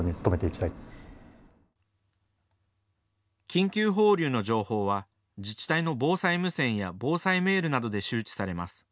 緊急放流の情報は自治体の防災無線や防災メールなどで周知されます。